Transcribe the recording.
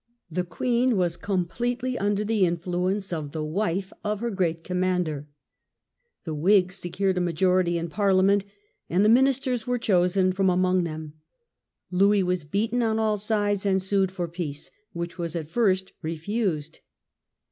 The queen was completely under the influence of the wife of her great commander; the Whigs secured a majority in Parliament, and the ministers were chosen from among them. Louis was beaten on all sides and sued for peace, which was at first refused.